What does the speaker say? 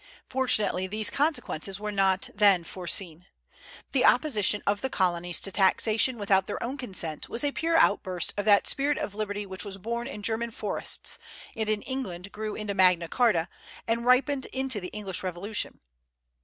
Fortunately, these consequences were not then foreseen. The opposition of the Colonies to taxation without their own consent was a pure outburst of that spirit of liberty which was born in German forests, and in England grew into Magna Charta, and ripened into the English Revolution.